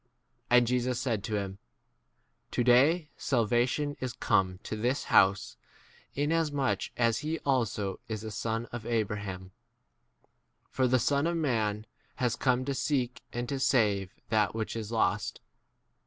9 And Jesus said to him, To day salvation is come to this house, inasmuch as he also is a son of 10 Abraham ; for the Son of man has come to seek and to save that which is lost.